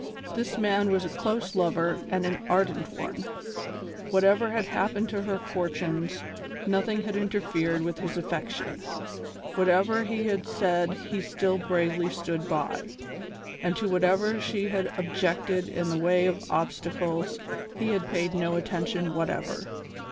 This man was a close lover and an ardent one. Whatever had happened to her fortunes, nothing had interfered with his affection; whatever he had said he still bravely stood by, and to whatever she had objected in the way of obstacles he had paid no attention whatever.